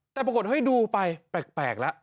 แต่ปรากฎให้ดูไปแปลกละ